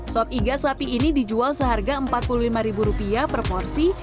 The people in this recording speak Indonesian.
sop iga sapi ini dijual seharga rp empat puluh lima per porsi